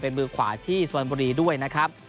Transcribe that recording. เป็นมือขวาที่สุพรรณบุรีด้วยนะครับ